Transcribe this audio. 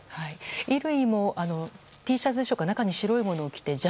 衣類もＴシャツでしょうか中に白いものを着ていました。